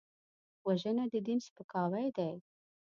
وژنه د دین سپکاوی دی